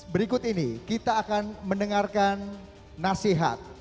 berikut ini kita akan mendengarkan nasihat